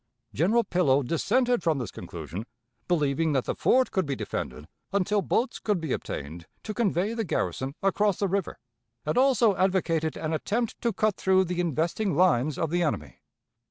General Pillow dissented from this conclusion, believing that the fort could be defended until boats could be obtained to convey the garrison across the river, and also advocated an attempt to cut through the investing lines of the enemy.